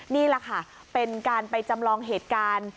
นี่แหละค่ะเป็นการไปจำลองเหตุการณ์